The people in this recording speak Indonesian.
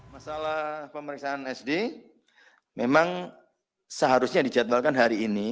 masalah pemeriksaan sd memang seharusnya dijadwalkan hari ini